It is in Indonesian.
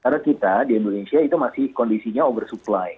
karena kita di indonesia itu masih kondisinya oversupply